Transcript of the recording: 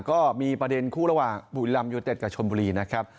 ก็มีประเด็นคู่ระหว่างบุรีรำยูเต็ดกับชนบุรีนะครับ